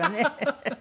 ハハハハ。